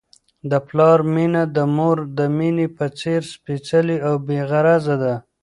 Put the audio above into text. د پلار مینه د مور د مینې په څېر سپیڅلې او بې غرضه ده.